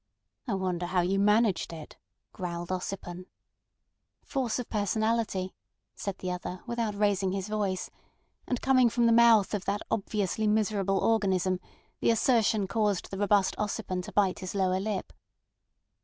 "I wonder how you managed it," growled Ossipon. "Force of personality," said the other, without raising his voice; and coming from the mouth of that obviously miserable organism the assertion caused the robust Ossipon to bite his lower lip.